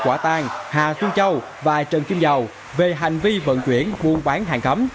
quả tàng hà xuân châu và trần kim dầu về hành vi vận chuyển mua bán hàng cấm